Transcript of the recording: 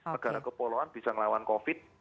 negara kepulauan bisa melawan covid sembilan belas